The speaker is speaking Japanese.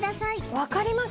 分かります？